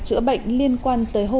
chữa bệnh liên quan đến bệnh nhân